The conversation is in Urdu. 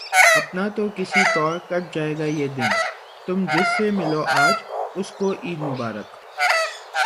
اپنا تو کسی طور کٹ جائے گا یہ دن، تم جس سے ملو آج اس کو عید مبارک